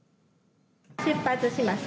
出発します。